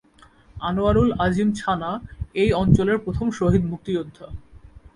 আনোয়ারুল আজিম ছানা এই অঞ্চলের প্রথম শহীদ মুক্তিযোদ্ধা।